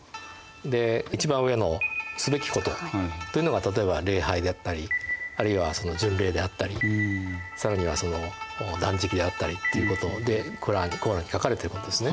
で一番上の「すべきこと」というのが例えば礼拝であったりあるいは巡礼であったり更には断食であったりっていうことで「コーラン」に書かれてることですね。